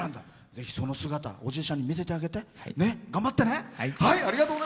ぜひ、その姿おじいちゃんに見せてあげて。